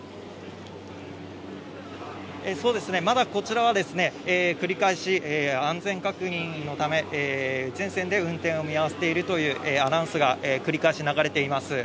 まだこちらは繰り返し安全確認のため全線で運転を見合わせているというアナウンスが繰り返し流れています。